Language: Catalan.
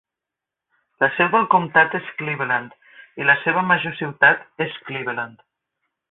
La seu del comtat és Cleveland, i la seva major ciutat és Cleveland.